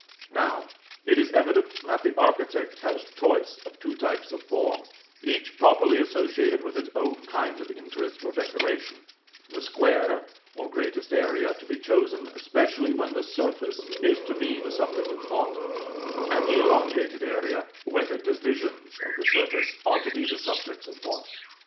Now, it is evident that the architect has choice of two types of form, each properly associated with its own kind of interest or decoration: the square, or greatest area, to be chosen especially when the surface is to be the subject of thought; and the elongated area, when the divisions of the surface are to be the subjects of thought.